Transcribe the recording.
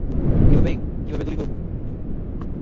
এভাবে কীভাবে গুলি করব!